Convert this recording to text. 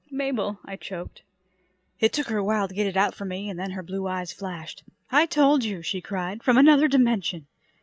"Mabel," I choked. It took her a while to get it out of me, and then her blue eyes flashed. "I told you!" she cried. "From another dimension!"